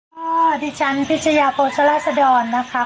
พ่อดิฉันพิชยาโปรสรสดรนะคะ